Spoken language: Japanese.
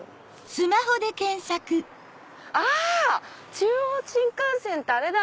中央新幹線ってあれだ。